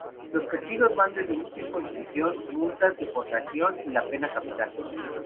Los castigos van desde un tiempo en prisión, multas, deportación y la pena capital.